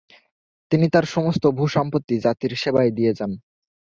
তিনি তার সমস্ত ভূসম্পত্তি জাতির সেবায় দিয়ে যান।